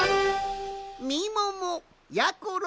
みももやころ